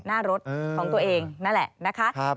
หน้ารถของตัวเองนั่นแหละนะคะ